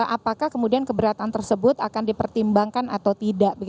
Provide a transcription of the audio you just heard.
apakah kemudian keberatan tersebut akan dipertimbangkan atau tidak